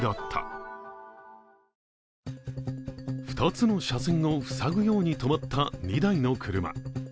２つの車線を塞ぐように止まった２台の車。